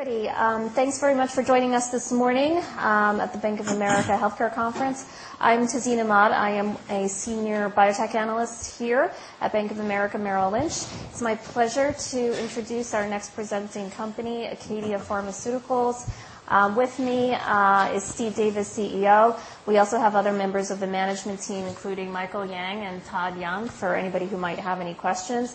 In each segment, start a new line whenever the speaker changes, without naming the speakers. Everybody, thanks very much for joining us this morning at the Bank of America Healthcare Conference. I'm Tazeen Ahmad. I am a Senior Biotech Analyst here at Bank of America Merrill Lynch. It's my pleasure to introduce our next presenting company, ACADIA Pharmaceuticals. With me is Steve Davis, CEO. We also have other members of the management team, including Michael Yang and Todd Young, for anybody who might have any questions.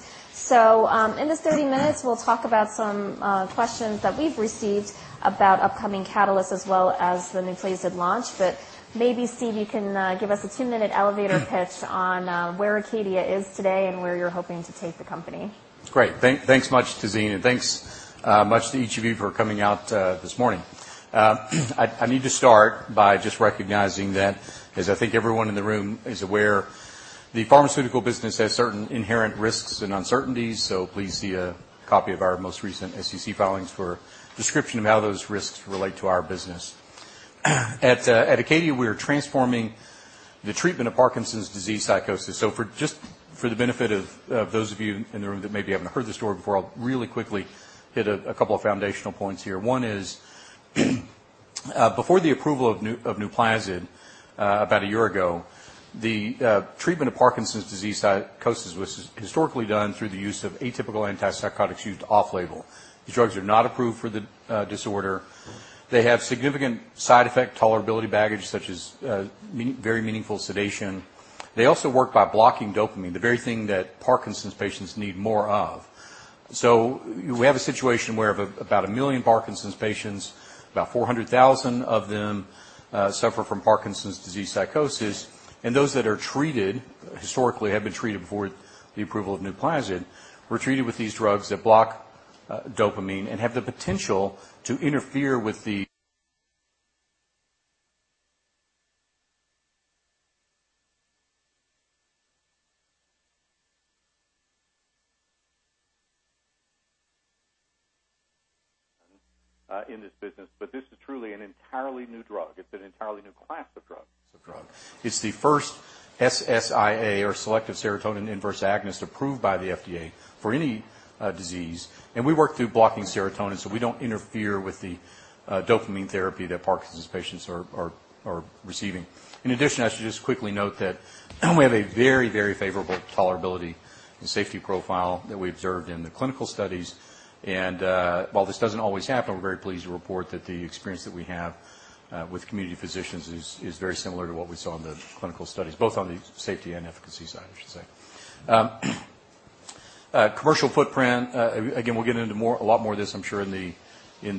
In this 30 minutes, we'll talk about some questions that we've received about upcoming catalysts, as well as the NUPLAZID launch. Maybe, Steve, you can give us a two-minute elevator pitch on where ACADIA is today and where you're hoping to take the company.
Great. Thanks much, Tazeen, and thanks much to each of you for coming out this morning. I need to start by just recognizing that, as I think everyone in the room is aware, the pharmaceutical business has certain inherent risks and uncertainties, so please see a copy of our most recent SEC filings for a description of how those risks relate to our business. At ACADIA, we are transforming the treatment of Parkinson's disease psychosis. Just for the benefit of those of you in the room that maybe haven't heard this story before, I'll really quickly hit a couple of foundational points here. One is, before the approval of NUPLAZID about a year ago, the treatment of Parkinson's disease psychosis was historically done through the use of atypical antipsychotics used off-label. These drugs are not approved for the disorder. They have significant side effect tolerability baggage, such as very meaningful sedation. They also work by blocking dopamine, the very thing that Parkinson's patients need more of. We have a situation where of about 1 million Parkinson's patients, about 400,000 of them suffer from Parkinson's disease psychosis, and those that are treated historically have been treated before the approval of NUPLAZID, were treated with these drugs that block dopamine and have the potential to interfere with the in this business. This is truly an entirely new drug. It's an entirely new class of drug. It's the first SSIA, or selective serotonin inverse agonist, approved by the FDA for any disease. We work through blocking serotonin, so we don't interfere with the dopamine therapy that Parkinson's patients are receiving. In addition, I should just quickly note that we have a very, very favorable tolerability and safety profile that we observed in the clinical studies. While this doesn't always happen, we're very pleased to report that the experience that we have with community physicians is very similar to what we saw in the clinical studies, both on the safety and efficacy side, I should say. Commercial footprint, again, we'll get into a lot more of this, I'm sure, in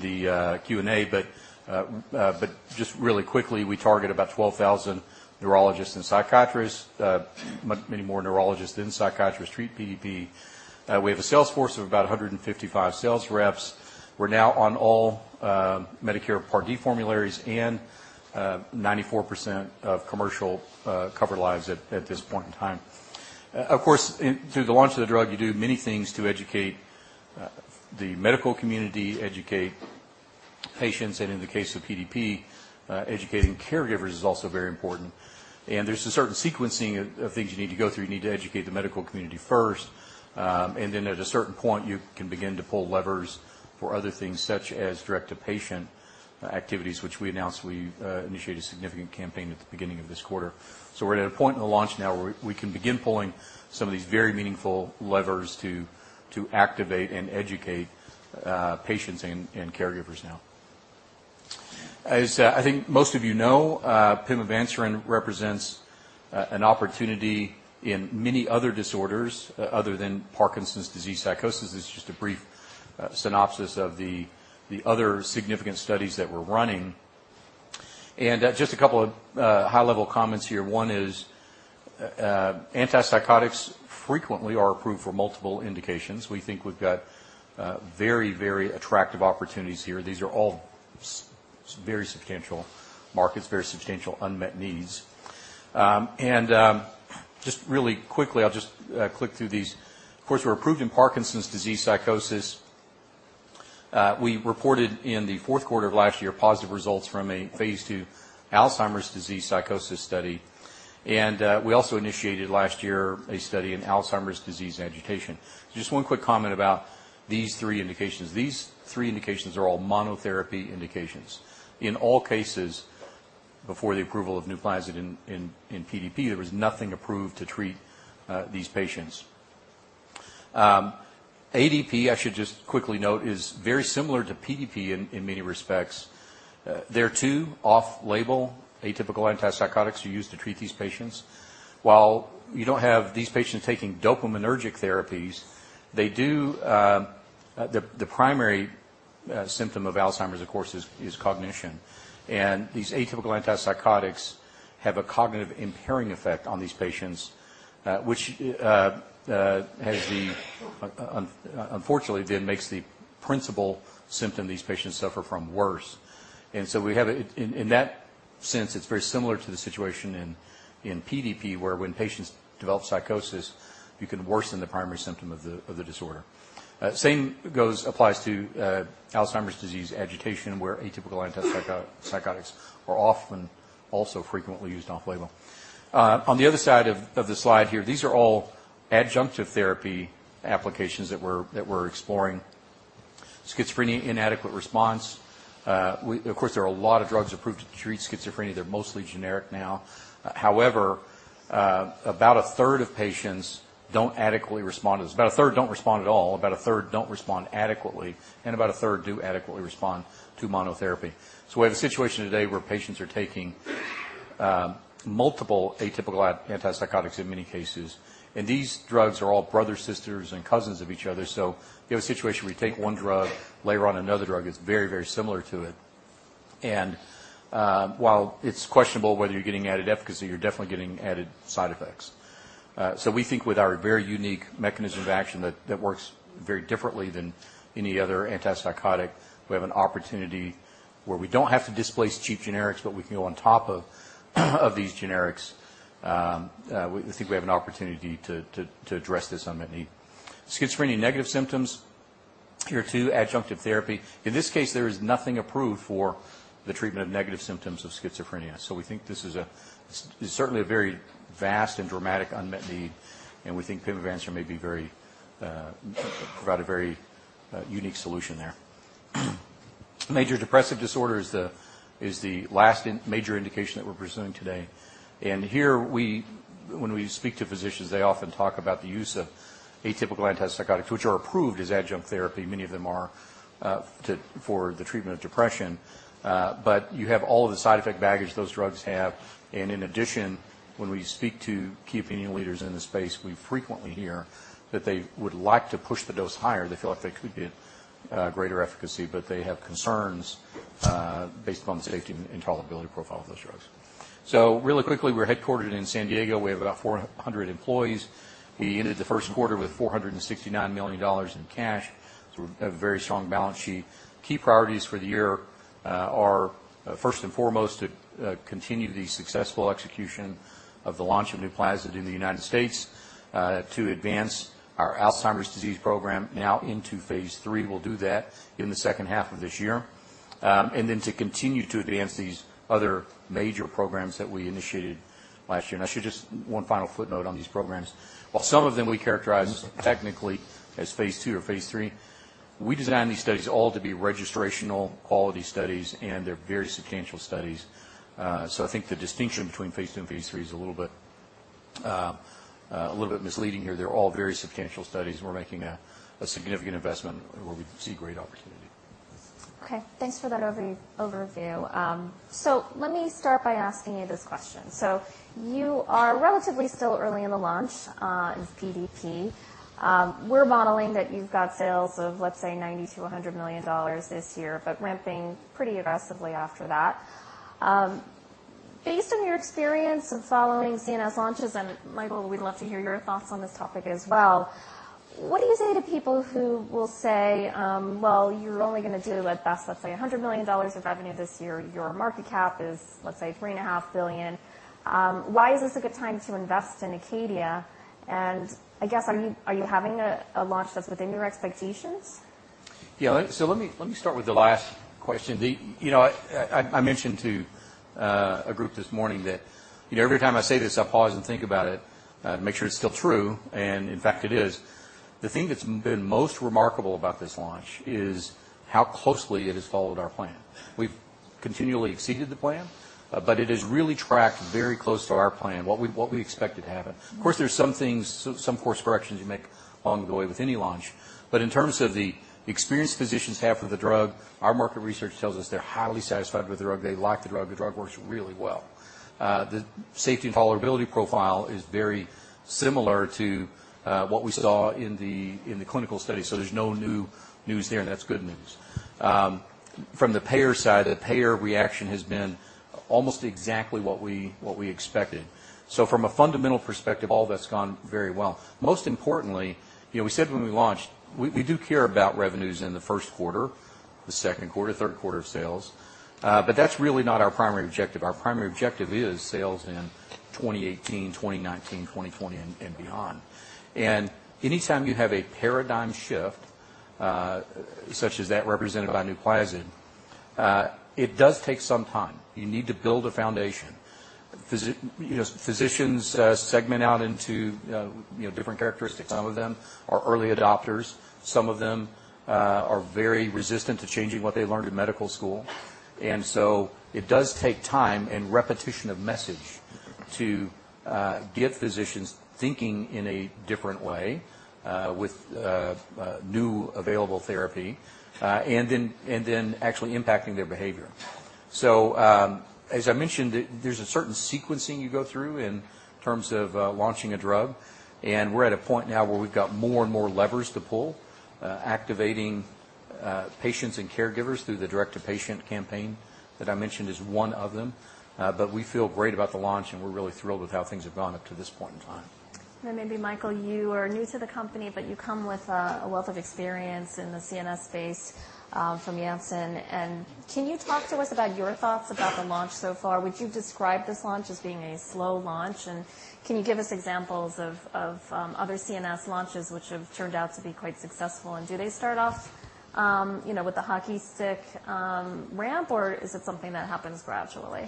the Q&A, but just really quickly, we target about 12,000 neurologists and psychiatrists. Many more neurologists than psychiatrists treat PDP. We have a sales force of about 155 sales reps. We're now on all Medicare Part D formularies and 94% of commercial covered lives at this point in time. Of course, through the launch of the drug, you do many things to educate the medical community, educate patients, and in the case of PDP, educating caregivers is also very important. There's a certain sequencing of things you need to go through. You need to educate the medical community first, at a certain point, you can begin to pull levers for other things, such as direct-to-patient activities, which we announced we initiated a significant campaign at the beginning of this quarter. We're at a point in the launch now where we can begin pulling some of these very meaningful levers to activate and educate patients and caregivers now. As I think most of you know, pimavanserin represents an opportunity in many other disorders other than Parkinson's disease psychosis. This is just a brief synopsis of the other significant studies that we're running. Just a couple of high-level comments here. One is antipsychotics frequently are approved for multiple indications. We think we've got very, very attractive opportunities here. These are all very substantial markets, very substantial unmet needs. Just really quickly, I'll just click through these. Of course, we're approved in Parkinson's disease psychosis. We reported in the fourth quarter of last year positive results from a phase II Alzheimer's disease psychosis study. We also initiated last year a study in Alzheimer's disease and agitation. Just one quick comment about these three indications. These three indications are all monotherapy indications. In all cases, before the approval of NUPLAZID in PDP, there was nothing approved to treat these patients. ADP, I should just quickly note, is very similar to PDP in many respects. There are two off-label atypical antipsychotics you use to treat these patients. While you don't have these patients taking dopaminergic therapies, the primary symptom of Alzheimer's, of course, is cognition. These atypical antipsychotics have a cognitive impairing effect on these patients, which unfortunately then makes the principal symptom these patients suffer from worse. In that sense, it's very similar to the situation in PDP where when patients develop psychosis, you can worsen the primary symptom of the disorder. Same applies to Alzheimer's disease agitation, where atypical antipsychotics are often also frequently used off-label. On the other side of the slide here, these are all adjunctive therapy applications that we're exploring. Schizophrenia, inadequate response. Of course, there are a lot of drugs approved to treat schizophrenia. They're mostly generic now. However, about a third of patients don't adequately respond to this. About a third don't respond at all, about a third don't respond adequately, about a third do adequately respond to monotherapy. We have a situation today where patients are taking multiple atypical antipsychotics in many cases, these drugs are all brothers, sisters, and cousins of each other. You have a situation where you take one drug, later on another drug that's very similar to it. While it's questionable whether you're getting added efficacy, you're definitely getting added side effects. We think with our very unique mechanism of action that works very differently than any other antipsychotic, we have an opportunity where we don't have to displace cheap generics, but we can go on top of these generics. We think we have an opportunity to address this unmet need. Schizophrenia negative symptoms, here too, adjunctive therapy. In this case, there is nothing approved for the treatment of negative symptoms of schizophrenia. We think this is certainly a very vast and dramatic unmet need, and we think pimavanserin may provide a very unique solution there. Major depressive disorder is the last major indication that we're presenting today. Here, when we speak to physicians, they often talk about the use of atypical antipsychotics, which are approved as adjunct therapy. Many of them are for the treatment of depression. You have all of the side effect baggage those drugs have. In addition, when we speak to key opinion leaders in the space, we frequently hear that they would like to push the dose higher. They feel like they could get greater efficacy, but they have concerns based upon the safety and tolerability profile of those drugs. Really quickly, we're headquartered in San Diego. We have about 400 employees. We ended the first quarter with $469 million in cash, we have a very strong balance sheet. Key priorities for the year are first and foremost to continue the successful execution of the launch of NUPLAZID in the United States, to advance our Alzheimer's disease program now into phase III. We'll do that in the second half of this year. Then to continue to advance these other major programs that we initiated last year. One final footnote on these programs. While some of them we characterize technically as phase II or phase III, we designed these studies all to be registrational quality studies, and they're very substantial studies. I think the distinction between phase II and phase III is a little bit misleading here. They're all very substantial studies, we're making a significant investment where we see great opportunity.
Okay. Thanks for that overview. Let me start by asking you this question. You are relatively still early in the launch, in PDP. We're modeling that you've got sales of, let's say, $90 million-$100 million this year, ramping pretty aggressively after that. Based on your experience of following CNS launches, and Michael, we'd love to hear your thoughts on this topic as well, what do you say to people who will say, "You're only going to do, at best, let's say, $100 million of revenue this year. Your market cap is, let's say, $3.5 billion." Why is this a good time to invest in ACADIA? I guess, are you having a launch that's within your expectations?
Yeah. Let me start with the last question. I mentioned to a group this morning that every time I say this, I pause and think about it to make sure it's still true. In fact, it is. The thing that's been most remarkable about this launch is how closely it has followed our plan. We've continually exceeded the plan, but it has really tracked very close to our plan, what we expected to happen. Of course, there's some course corrections you make along the way with any launch. In terms of the experience physicians have with the drug, our market research tells us they're highly satisfied with the drug. They like the drug. The drug works really well. The safety and tolerability profile is very similar to what we saw in the clinical study. There's no new news there, and that's good news. From the payer side, the payer reaction has been almost exactly what we expected. From a fundamental perspective, all that's gone very well. Most importantly, we said when we launched, we do care about revenues in the first quarter, the second quarter, third quarter of sales, but that's really not our primary objective. Our primary objective is sales in 2018, 2019, 2020, and beyond. Anytime you have a paradigm shift, such as that represented by NUPLAZID, it does take some time. You need to build a foundation. Physicians segment out into different characteristics. Some of them are early adopters. Some of them are very resistant to changing what they learned in medical school. It does take time and repetition of message to get physicians thinking in a different way with new available therapy, and then actually impacting their behavior. As I mentioned, there's a certain sequencing you go through in terms of launching a drug, and we're at a point now where we've got more and more levers to pull. Activating patients and caregivers through the direct-to-patient campaign that I mentioned is one of them. We feel great about the launch, and we're really thrilled with how things have gone up to this point in time.
Maybe Michael, you are new to the company, but you come with a wealth of experience in the CNS space from Janssen. Can you talk to us about your thoughts about the launch so far? Would you describe this launch as being a slow launch? Can you give us examples of other CNS launches which have turned out to be quite successful? Do they start off with the hockey stick ramp, or is it something that happens gradually?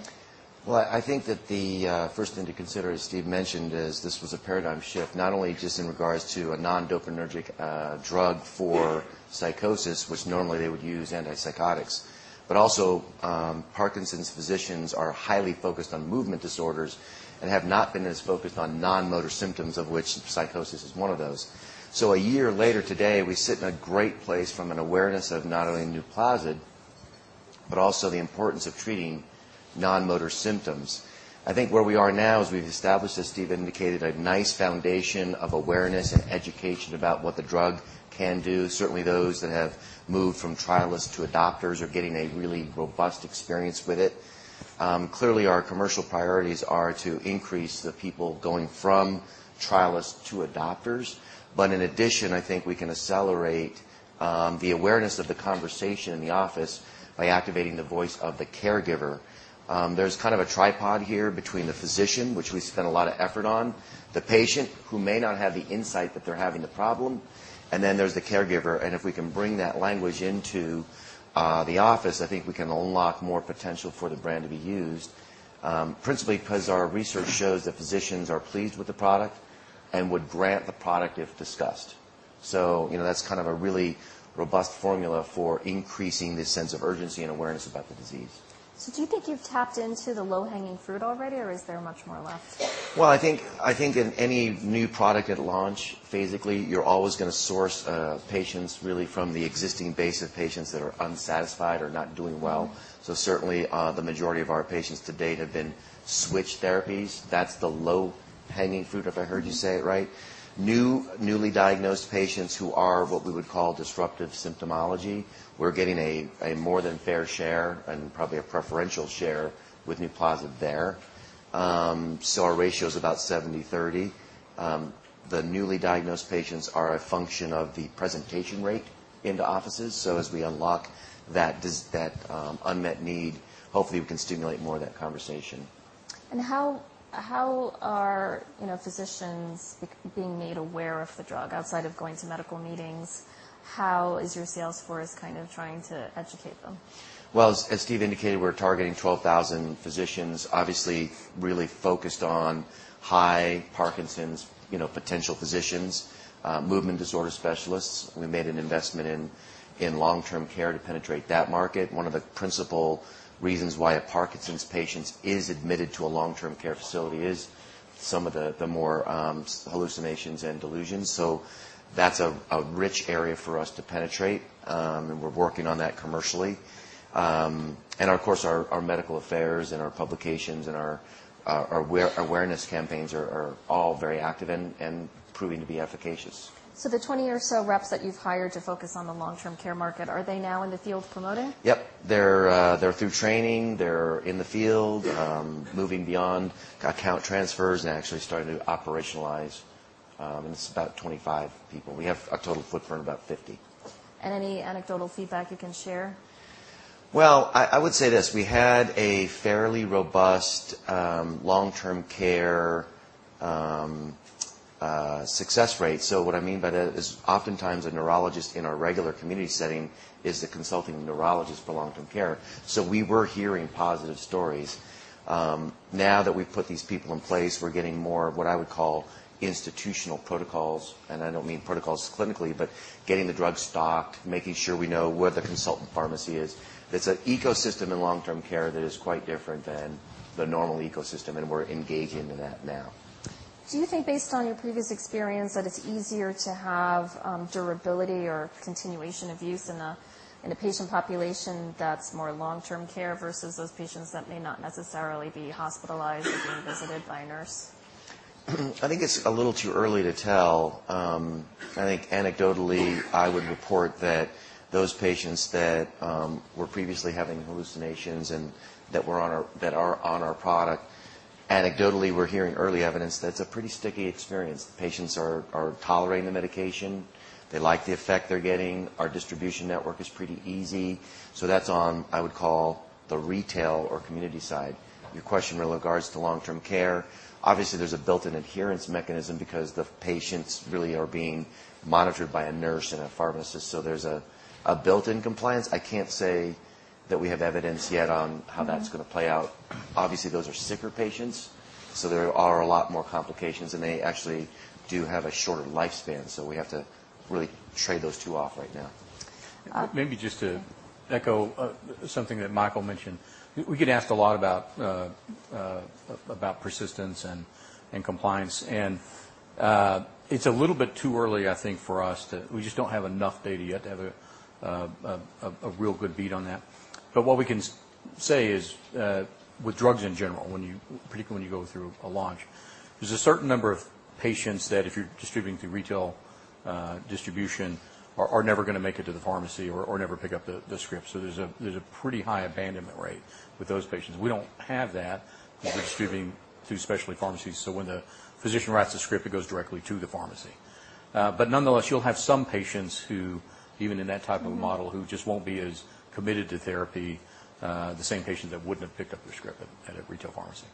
I think that the first thing to consider, as Steve mentioned, is this was a paradigm shift, not only just in regards to a non-dopaminergic drug for psychosis, which normally they would use antipsychotics, but also Parkinson's physicians are highly focused on movement disorders and have not been as focused on non-motor symptoms, of which psychosis is one of those. A year later today, we sit in a great place from an awareness of not only NUPLAZID, but also the importance of treating non-motor symptoms. I think where we are now is we've established, as Steve indicated, a nice foundation of awareness and education about what the drug can do. Certainly those that have moved from trialists to adopters are getting a really robust experience with it. Clearly, our commercial priorities are to increase the people going from trialists to adopters. In addition, I think we can accelerate the awareness of the conversation in the office by activating the voice of the caregiver. There's kind of a tripod here between the physician, which we spent a lot of effort on, the patient who may not have the insight that they're having the problem, and then there's the caregiver. If we can bring that language into the office, I think we can unlock more potential for the brand to be used. Principally because our research shows that physicians are pleased with the product and would grant the product if discussed. That's kind of a really robust formula for increasing the sense of urgency and awareness about the disease.
Do you think you've tapped into the low-hanging fruit already, or is there much more left?
Well, I think in any new product at launch, physically, you're always going to source patients really from the existing base of patients that are unsatisfied or not doing well. Certainly, the majority of our patients to date have been switch therapies. That's the low-hanging fruit, if I heard you say it right. Newly diagnosed patients who are what we would call disruptive symptomology, we're getting a more than fair share and probably a preferential share with NUPLAZID there. Our ratio is about 70/30. The newly diagnosed patients are a function of the presentation rate into offices. As we unlock that unmet need, hopefully we can stimulate more of that conversation.
How are physicians being made aware of the drug? Outside of going to medical meetings, how is your sales force kind of trying to educate them?
Well, as Steve indicated, we're targeting 12,000 physicians, obviously really focused on high Parkinson's potential physicians, movement disorder specialists. We made an investment in long-term care to penetrate that market. One of the principal reasons why a Parkinson's patient is admitted to a long-term care facility is some of the more hallucinations and delusions. That's a rich area for us to penetrate, and we're working on that commercially. Of course, our medical affairs and our publications and our awareness campaigns are all very active and proving to be efficacious.
The 20 or so reps that you've hired to focus on the long-term care market, are they now in the field promoting?
Yep. They're through training. They're in the field, moving beyond account transfers, and actually starting to operationalize. It's about 25 people. We have a total footprint of about 50.
Any anecdotal feedback you can share?
Well, I would say this. We had a fairly robust long-term care success rate. What I mean by that is oftentimes a neurologist in a regular community setting is the consulting neurologist for long-term care. We were hearing positive stories. Now that we've put these people in place, we're getting more of what I would call institutional protocols, and I don't mean protocols clinically, but getting the drug stocked, making sure we know where the consultant pharmacy is. There's an ecosystem in long-term care that is quite different than the normal ecosystem. We're engaging in that now.
Do you think, based on your previous experience, that it's easier to have durability or continuation of use in a patient population that's more long-term care versus those patients that may not necessarily be hospitalized or being visited by a nurse?
I think it's a little too early to tell. I think anecdotally, I would report that those patients that were previously having hallucinations and that are on our product, anecdotally, we're hearing early evidence that it's a pretty sticky experience. The patients are tolerating the medication. They like the effect they're getting. Our distribution network is pretty easy. That's on, I would call, the retail or community side. Your question with regards to long-term care, obviously there's a built-in adherence mechanism because the patients really are being monitored by a nurse and a pharmacist. There's a built-in compliance. I can't say that we have evidence yet on how that's going to play out. Obviously, those are sicker patients, so there are a lot more complications, and they actually do have a shorter lifespan. We have to really trade those two off right now.
Uh-
Maybe just to echo something that Michael mentioned. We get asked a lot about persistence and compliance. It's a little bit too early, I think, for us. We just don't have enough data yet to have a real good bead on that. What we can say is with drugs in general, particularly when you go through a launch, there's a certain number of patients that if you're distributing through retail distribution, are never going to make it to the pharmacy or never pick up the script. There's a pretty high abandonment rate with those patients. We don't have that because we're distributing through specialty pharmacies, so when the physician writes a script, it goes directly to the pharmacy. Nonetheless, you'll have some patients who, even in that type of model, who just won't be as committed to therapy, the same patient that wouldn't have picked up their script at a retail pharmacy.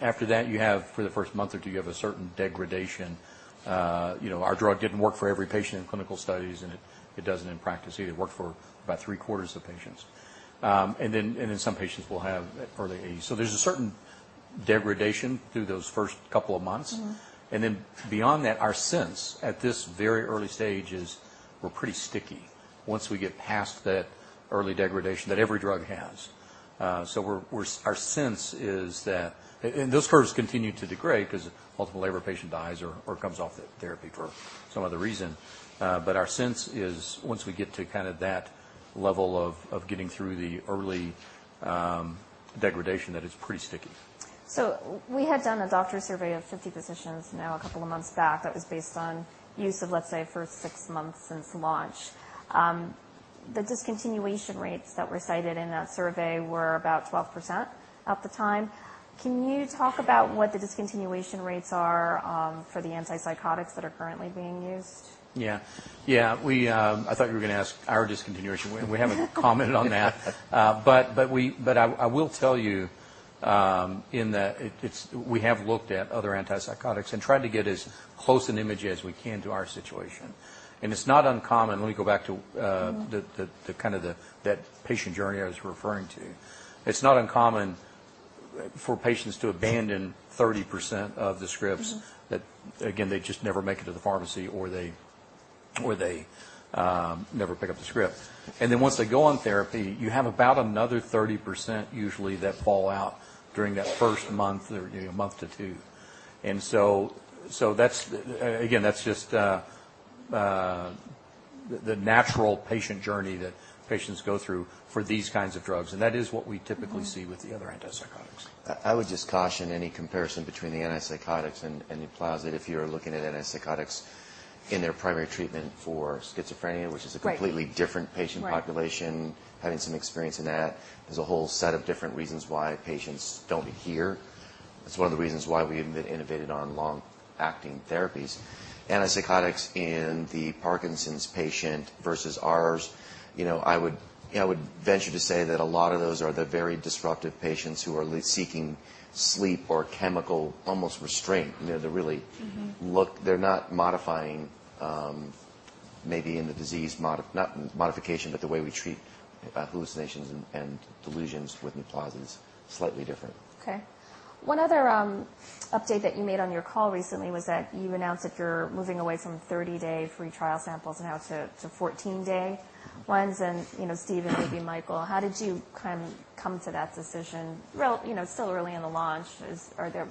After that, you have for the first month or two, you have a certain degradation. Our drug didn't work for every patient in clinical studies, and it doesn't in practice either. It worked for about three-quarters of the patients. Then some patients will have early AD. There's a certain degradation through those first couple of months. Beyond that, our sense, at this very early stage, is we're pretty sticky once we get past that early degradation that every drug has. Our sense is that those curves continue to degrade because ultimately, every patient dies or comes off the therapy for some other reason. Our sense is once we get to that level of getting through the early degradation, that it's pretty sticky.
We had done a doctor survey of 50 physicians now a couple of months back that was based on use of, let's say, first six months since launch. The discontinuation rates that were cited in that survey were about 12% at the time. Can you talk about what the discontinuation rates are for the antipsychotics that are currently being used?
I thought you were going to ask our discontinuation. We haven't commented on that. I will tell you, we have looked at other antipsychotics and tried to get as close an image as we can to our situation. It's not uncommon. Let me go back to that patient journey I was referring to. It's not uncommon for patients to abandon 30% of the scripts, that again, they just never make it to the pharmacy or they never pick up the script. Once they go on therapy, you have about another 30% usually that fall out during that first month or month to two. Again, that's just the natural patient journey that patients go through for these kinds of drugs, and that is what we typically see with the other antipsychotics.
I would just caution any comparison between the antipsychotics and NUPLAZID if you're looking at antipsychotics in their primary treatment for schizophrenia.
Right
Which is a completely different patient population.
Right.
Having some experience in that, there's a whole set of different reasons why patients don't adhere. It's one of the reasons why we even innovated on long-acting therapies. Antipsychotics in the Parkinson's patient versus ours, I would venture to say that a lot of those are the very disruptive patients who are seeking sleep or chemical, almost restraint. They're not modifying maybe in the disease, not modification, but the way we treat hallucinations and delusions with NUPLAZID is slightly different.
Okay. One other update that you made on your call recently was that you announced that you're moving away from 30-day free trial samples now to 14-day ones. Steve and maybe Michael, how did you come to that decision? Well, still early in the launch.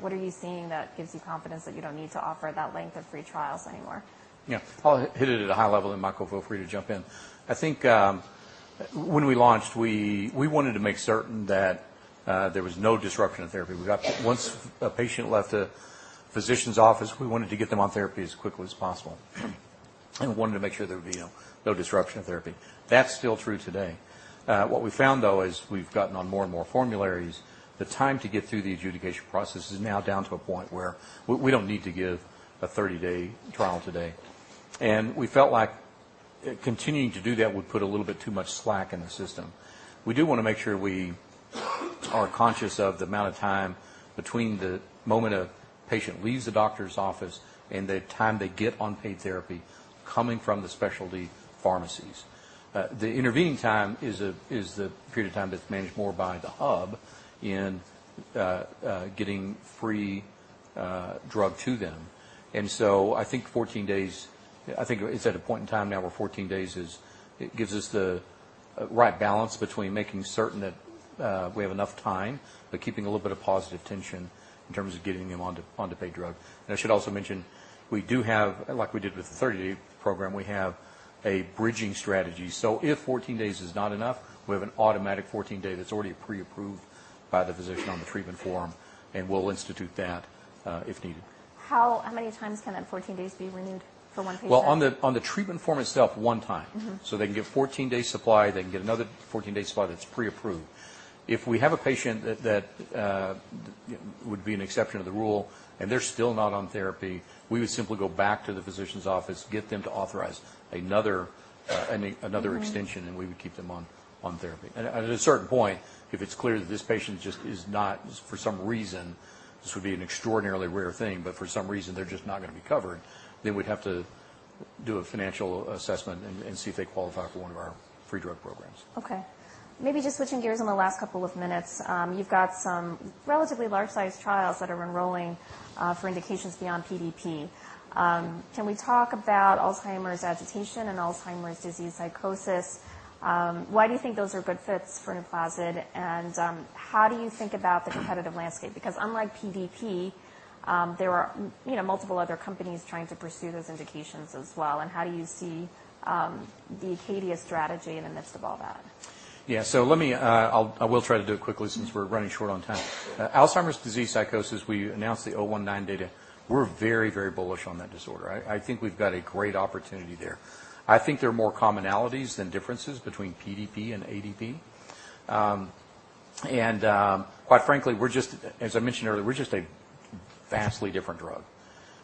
What are you seeing that gives you confidence that you don't need to offer that length of free trials anymore?
Yeah. I'll hit it at a high level. Michael, feel free to jump in. I think when we launched, we wanted to make certain that there was no disruption of therapy. Once a patient left a physician's office, we wanted to get them on therapy as quickly as possible, and wanted to make sure there would be no disruption of therapy. That's still true today. What we found, though, is we've gotten on more and more formularies. The time to get through the adjudication process is now down to a point where we don't need to give a 30-day trial today. We felt like continuing to do that would put a little bit too much slack in the system. We do want to make sure we are conscious of the amount of time between the moment a patient leaves the doctor's office and the time they get on paid therapy coming from the specialty pharmacies. The intervening time is the period of time that's managed more by the hub in getting free drug to them. I think it's at a point in time now where 14 days gives us the right balance between making certain that we have enough time, but keeping a little bit of positive tension in terms of getting them onto paid drug. I should also mention, like we did with the 30-day program, we have a bridging strategy. If 14 days is not enough, we have an automatic 14-day that's already pre-approved by the physician on the treatment form, and we'll institute that if needed.
How many times can that 14 days be renewed for one patient?
Well, on the treatment form itself, one time. They can get a 14-day supply, they can get another 14-day supply that's pre-approved. If we have a patient that would be an exception to the rule and they're still not on therapy, we would simply go back to the physician's office, get them to authorize another extension, and we would keep them on therapy. At a certain point, if it's clear that this patient just is not, for some reason, this would be an extraordinarily rare thing, but for some reason, they're just not going to be covered, then we'd have to do a financial assessment and see if they qualify for one of our free drug programs.
Okay. Maybe just switching gears in the last couple of minutes. You've got some relatively large-sized trials that are enrolling for indications beyond PDP. Can we talk about Alzheimer's disease agitation and Alzheimer's disease psychosis? Why do you think those are good fits for NUPLAZID, and how do you think about the competitive landscape? Because unlike PDP, there are multiple other companies trying to pursue those indications as well, and how do you see the ACADIA strategy in the midst of all that?
Yeah. I will try to do it quickly since we're running short on time. Alzheimer's disease psychosis, we announced the 019 data. We're very bullish on that disorder. I think we've got a great opportunity there. I think there are more commonalities than differences between PDP and ADP. Quite frankly, as I mentioned earlier, we're just a vastly different drug.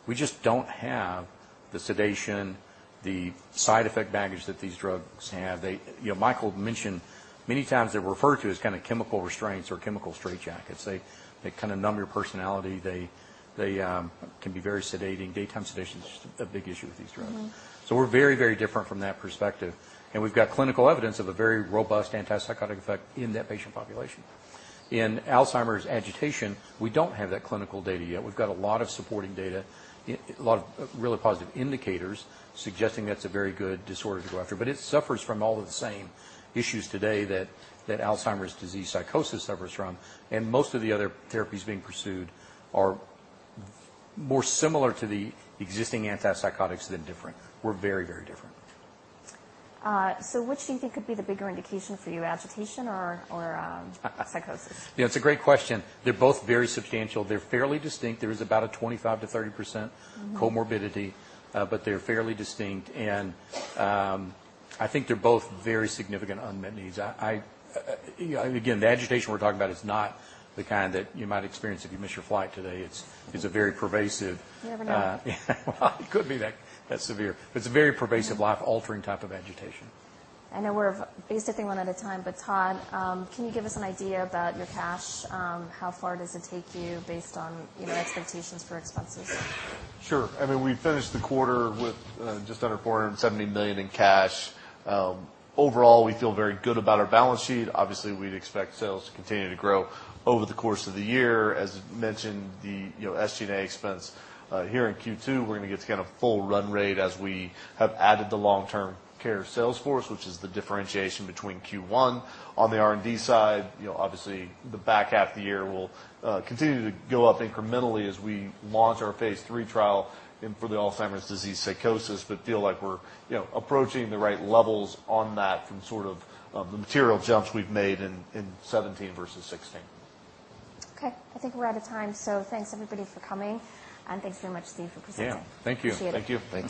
We just don't have the sedation, the side effect baggage that these drugs have. Michael mentioned many times they're referred to as kind of chemical restraints or chemical straightjackets. They kind of numb your personality. They can be very sedating. Daytime sedation is just a big issue with these drugs. We're very different from that perspective, and we've got clinical evidence of a very robust antipsychotic effect in that patient population. In Alzheimer's agitation, we don't have that clinical data yet. We've got a lot of supporting data, a lot of really positive indicators suggesting that's a very good disorder to go after, but it suffers from all of the same issues today that Alzheimer's disease psychosis suffers from, and most of the other therapies being pursued are more similar to the existing antipsychotics than different. We're very different.
Which do you think could be the bigger indication for you, agitation or psychosis?
Yeah, it's a great question. They're both very substantial. They're fairly distinct. There is about a 25%-30% comorbidity. They're fairly distinct, and I think they're both very significant unmet needs. Again, the agitation we're talking about is not the kind that you might experience if you miss your flight today. It's a very pervasive.
You never know.
Yeah. Well, it could be that severe, but it's a very pervasive- life-altering type of agitation.
I know we're basically taking one at a time, Todd, can you give us an idea about your cash? How far does it take you based on expectations for expenses?
Sure. We finished the quarter with just under $470 million in cash. Overall, we feel very good about our balance sheet. Obviously, we'd expect sales to continue to grow over the course of the year. As mentioned, the SG&A expense here in Q2, we're going to get to kind of full run rate as we have added the long-term care sales force, which is the differentiation between Q1. On the R&D side, obviously, the back half of the year will continue to go up incrementally as we launch our phase III trial for the Alzheimer's disease psychosis, but feel like we're approaching the right levels on that from sort of the material jumps we've made in 2017 versus 2016.
Okay. I think we're out of time, so thanks everybody for coming, and thanks very much, Steve, for presenting.
Yeah. Thank you.
Appreciate it.
Thank you.